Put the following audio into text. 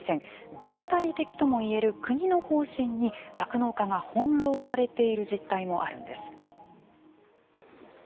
場当たり的ともいえる国の方針に酪農家が翻弄されている実態もあるんです。